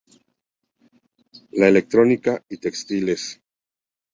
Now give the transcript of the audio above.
La electrónica y textiles.